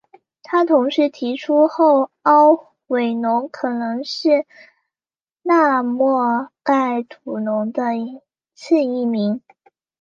他同时提出后凹尾龙可能是纳摩盖吐龙的次异名。